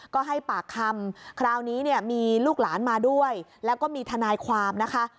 ก็ให้ปากคำคราวนี้เนี่ยมีลูกหลานมาด้วยแล้วก็มีทนายความนะคะ